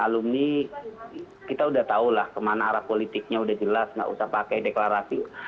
alumi kita sudah tahu lah kemana arah politiknya sudah jelas gak usah pakai deklarasi